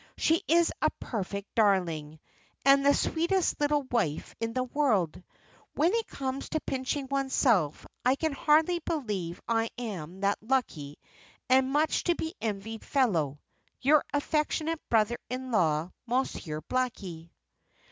"She is a perfect darling, and the sweetest little wife in the world. When it comes to pinching oneself I can hardly believe I am that lucky and much to be envied fellow, your affectionate brother in law, "MONSIEUR BLACKIE."